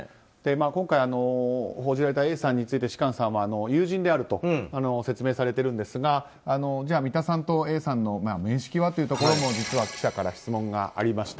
今回報じられたＡさんについて芝翫さんは友人であると説明されてるんですが三田さんとＡさんの面識はというところも記者から質問がありました。